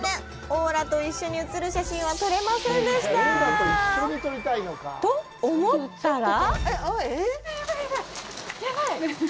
オーラと一緒に写る写真は撮れませんでした。と思ったら！？